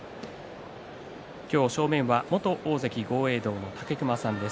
今日、正面は元大関豪栄道の武隈さんです。